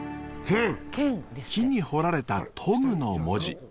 木に彫られた「研ぐ」の文字。